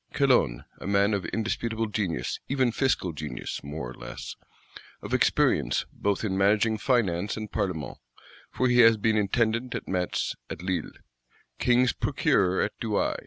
Calonne, a man of indisputable genius; even fiscal genius, more or less; of experience both in managing Finance and Parlements, for he has been Intendant at Metz, at Lille; King's Procureur at Douai.